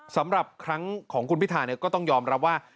สำหรับครั้งของคุณพิธาก็ต้องยอมรับว่า